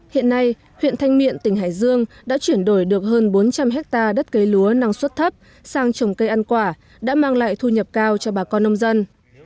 hiện nay huyện thanh miện tỉnh hải dương đã chuyển đổi được hơn bốn trăm linh hectare đất cây lúa năng suất thấp sang trồng cây ăn quả đã mang lại thu nhập cao cho bà con nông dân